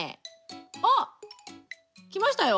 あっ、きましたよ。